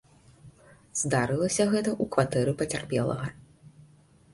Здарылася гэта ў кватэры пацярпелага.